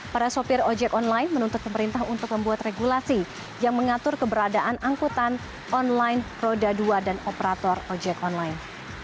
para sopir ojek online menuntut pemerintah untuk membuat regulasi yang mengatur keberadaan angkutan online roda dua dan operator ojek online